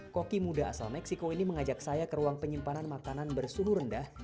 koki muda asal meksiko ini mengajak saya ke ruang penyimpanan makanan bersuhu rendah